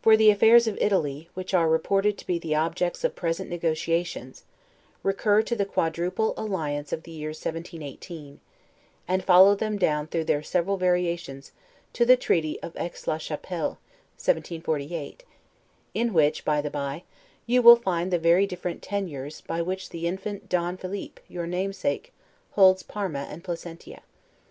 For the affairs of Italy, which are reported to be the objects of present negotiations, recur to the quadruple alliance of the year 1718, and follow them down through their several variations to the treaty of Aix la Chapelle, 1748; in which (by the bye) you will find the very different tenures by which the Infant Don Philip, your namesake, holds Parma and Placentia.